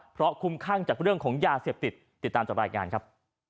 เพราะคุ้มข้างจากเรื่องของยาเสพติดติดตามจากรายงานครับ